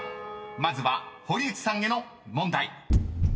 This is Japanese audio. ［まずは堀内さんへの問題］